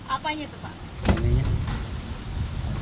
apanya itu pak